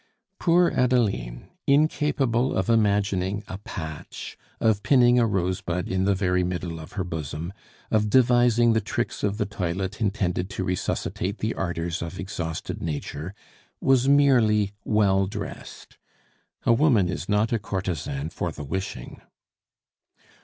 Poor Adeline, incapable of imagining a patch, of pinning a rosebud in the very middle of her bosom, of devising the tricks of the toilet intended to resuscitate the ardors of exhausted nature, was merely well dressed. A woman is not a courtesan for the wishing!